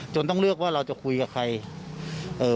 จนต้องเลือกว่าเราจะคุยกับใคร